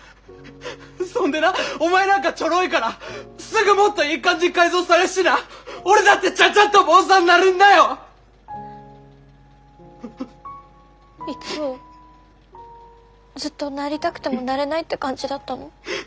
そんでなお前なんかちょろいからすぐもっといい感じに改造されるしな俺だってちゃちゃっと坊さんなれんだよ！三生ずっとなりたくてもなれないって感じだったの？